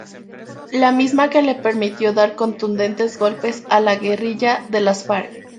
La misma que le permitió dar contundentes golpes a la guerrilla de las Farc".